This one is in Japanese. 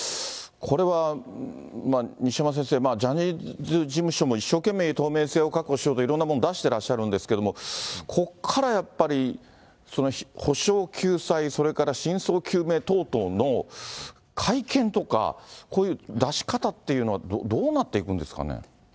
これは西山先生、ジャニーズ事務所も一生懸命透明性を確保しようといろんなもん出してらっしゃるんですけれども、ここからやっぱり、補償、救済、それから真相究明等々の会見とか、こういう出し方っていうのはどうなっていくんですかね。